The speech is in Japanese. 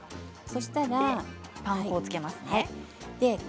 そしたらパン粉をつけますね。